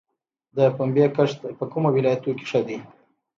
د پنبې کښت په کومو ولایتونو کې ښه دی؟